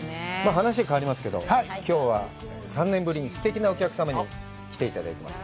話は変わりますけど、きょうは３年ぶりに、すてきなお客様に来ていただいています。